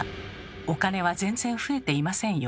お金は全然増えていませんよ。